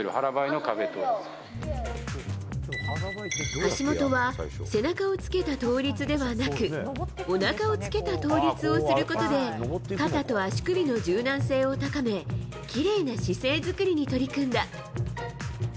橋本は背中をつけた倒立ではなくおなかをつけた倒立をすることで肩と足首の柔軟性を高めきれいな姿勢作りに取り組んだ。